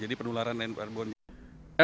jadi penularan airborne